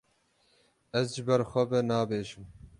Ez ji ber xwe ve nabêjim.